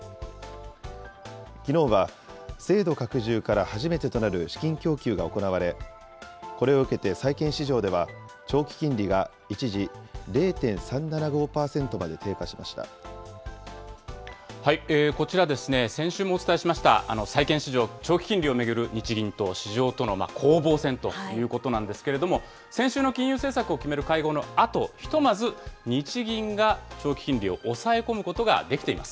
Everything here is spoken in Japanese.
きのうは制度拡充から初めてとなる資金供給が行われ、これを受けて債券市場では、長期金利が一時、こちら、先週もお伝えしました債券市場、長期金利を巡る日銀と市場との攻防戦ということなんですけれども、先週の金融政策を決める会合のあと、ひとまず日銀が長期金利を抑え込むことができています。